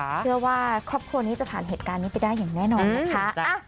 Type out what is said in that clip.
เชื่อว่าครอบครัวนี้จะผ่านเหตุการณ์นี้ไปได้อย่างแน่นอนนะคะ